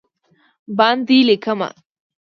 باندې لېکمه